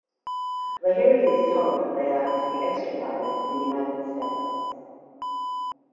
Lahiri is told that they are to be extradited to the United States.